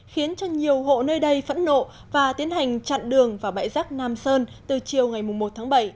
khiến cho nhiều hộ nơi đây phẫn nộ và tiến hành chặn đường vào bãi rác nam sơn từ chiều ngày một tháng bảy